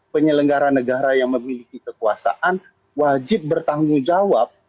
penyelenggara negara yang memiliki kekuasaan wajib bertanggung jawab